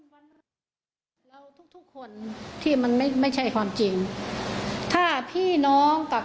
เราทุกทุกคนที่มันไม่ใช่ความจริงถ้าพี่น้องกับ